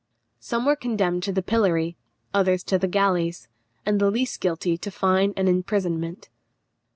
Some were condemned to the pillory, others to the galleys, and the least guilty to fine and imprisonment.